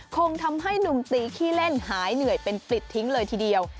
คงทำให้หนุ่มตีขี้เล่นหายเหนื่อยเป็นปลิดทิ้งเลยทีเดียว